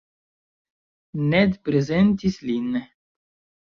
Ned prezentis lin.